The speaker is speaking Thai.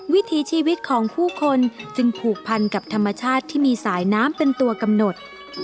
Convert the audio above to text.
วิถีชีวิตของผู้คนจึงผูกพันกับธรรมชาติที่มีสายน้ำเป็นตัวกำหนด